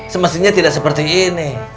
semestinya tidak seperti ini